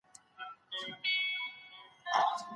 څنګه کولای سو پرمختګ وکړو؟